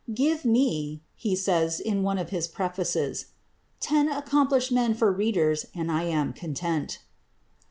"Give me," he says in one of his prefaces, "ten accomplished men for readers and I am content."